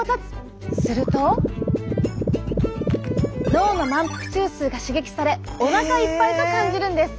すると脳の満腹中枢が刺激され「おなかいっぱい」と感じるんです。